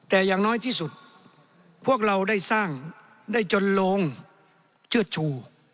แต่อย่างน้อยที่สุดพวกเราได้สร้างได้จนโลงเชิดชู